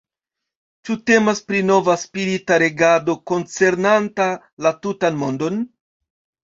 Ĉu temas pri nova spirita regado koncernanta la tutan mondon?